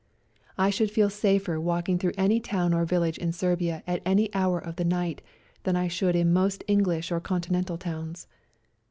I should feel safer walking through any town or village in Serbia at any hour of the night than I should in most English or Conti nental towns.